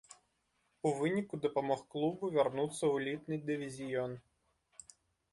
У выніку дапамог клубу вярнуцца ў элітны дывізіён.